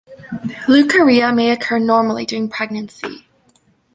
Leukorrhea may occur normally during pregnancy.